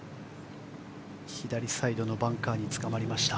左サイドのバンカーにつかまりました。